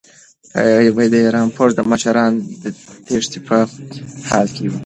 د ایران د پوځ مشران د تېښتې په حال کې وو.